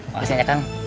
makasih ya kang